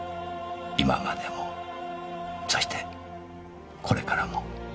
今までもそしてこれからも。